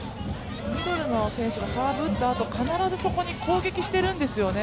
ミドルの選手がサーブを打ったあと、必ずそこに攻撃してるんですよね。